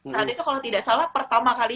saat itu kalau tidak salah pertama kali